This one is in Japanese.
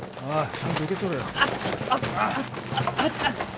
ちゃんと受け取れよ！